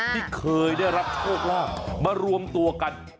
ที่เคยได้รับโชคลาภมารวมตัวกัน